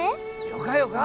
よかよか。